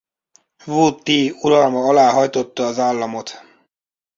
Vu Ti uralma alá hajtotta az államot.